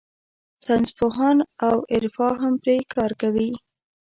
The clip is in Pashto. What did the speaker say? ساینسپوهان او عرفا هم پرې کار کوي.